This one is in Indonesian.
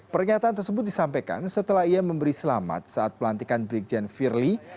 pernyataan tersebut disampaikan setelah ia memberi selamat saat pelantikan brigjen firly